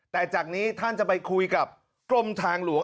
แต่จากนี้ท่านจะไปคุยกับกรมทางหลวง